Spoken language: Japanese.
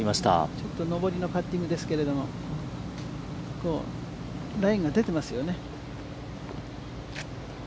ちょっと上りのパッティングですけれども、ラインが出てますよね。